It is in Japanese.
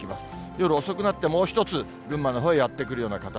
夜遅くなってもう１つ、群馬のほうへやって来るような形。